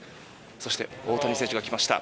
そして大谷選手が来ました。